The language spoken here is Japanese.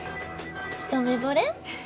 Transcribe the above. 一目ぼれ？